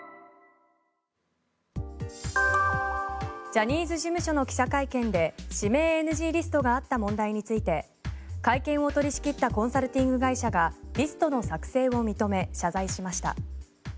ジャニーズ事務所の記者会見で指名ＮＧリストがあった問題について会見を取り仕切ったコンサルティング会社がリストの作成を認め謝罪しました。